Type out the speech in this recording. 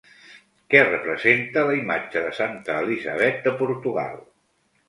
Què representa la imatge de santa Elisabet de Portugal?